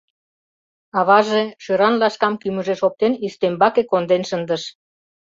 Аваже, шӧран лашкам кӱмыжеш оптен, ӱстембаке конден шындыш.